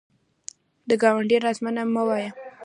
د ګاونډي رازونه مه وایه